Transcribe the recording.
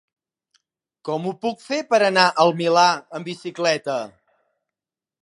Com ho puc fer per anar al Milà amb bicicleta?